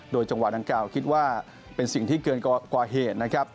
จังหวะดังกล่าวคิดว่าเป็นสิ่งที่เกินกว่าเหตุนะครับ